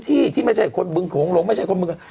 ที่ที่ไม่ใช่คนบึงโขงหลงไม่ใช่คนบึง